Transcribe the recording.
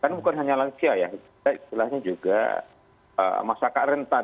kan bukan hanya lansia ya kita istilahnya juga masyarakat rentan